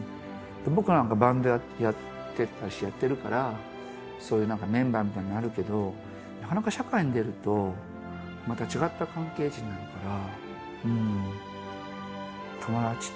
僕なんかバンドやってたしやってるからそういうなんかメンバーみたいのあるけどなかなか社会に出るとまた違った関係値になるから。